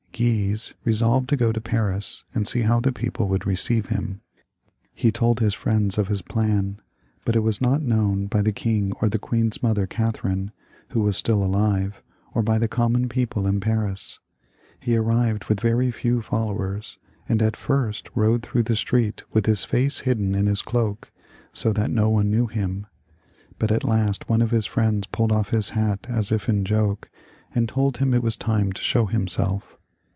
Guise resolved to go to Paris and see how the people would receive him. He told his friends of his plan, but it was not known by the king or the queen's mother Catherine, who was still alive, or by the common people in Paris. He arrived with very few followers, and at j&rst rode through the street with his face hidden in his cloak, so that no one knew him, but at last one of his firiends pulled off his hat as if in joke, and told him it was time to show himself.